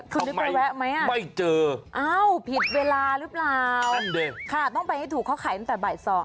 คุณนึกว่าแวะไหมอ่ะอ้าวผิดเวลาหรือเปล่าต้องไปให้ถูกเขาขายตั้งแต่บ่ายสอง